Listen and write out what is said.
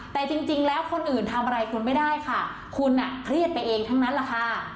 แต่จริงแล้วคนอื่นทำอะไรคุณไม่ได้ค่ะคุณเครียดไปเองทั้งนั้นแหละค่ะ